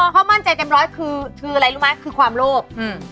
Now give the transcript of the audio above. เขามั่นใจเต็มร้อยคืออะไรรู้ไหมคือความโลภ